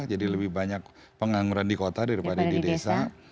jadi lebih banyak pengangguran di kota daripada di desa